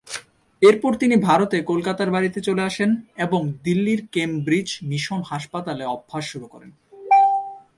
এরপর তিনি ভারতে কলকাতার বাড়িতে চলে আসেন এবং দিল্লির কেমব্রিজ মিশন হাসপাতালে অভ্যাস শুরু করেন।